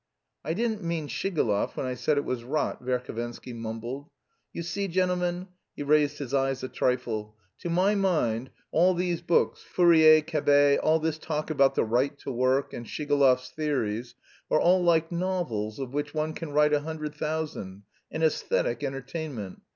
"I didn't mean Shigalov when I said it was rot," Verhovensky mumbled. "You see, gentlemen," he raised his eyes a trifle "to my mind all these books, Fourier, Cabet, all this talk about the right to work, and Shigalov's theories are all like novels of which one can write a hundred thousand an æsthetic entertainment.